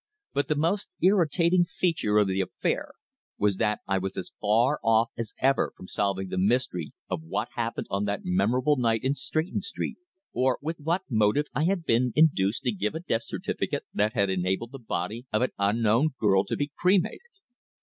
But the most irritating feature of the affair was that I was as far off as ever from solving the mystery of what happened on that memorable night in Stretton Street, or with what motive I had been induced to give a death certificate that had enabled the body of an unknown girl to be cremated.